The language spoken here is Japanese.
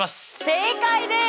正解です！